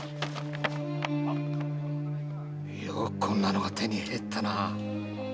よくこんなのが手に入ったな！